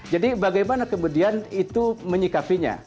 bagaimana kemudian itu menyikapinya